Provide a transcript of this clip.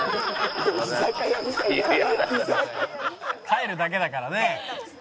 帰るだけだからね。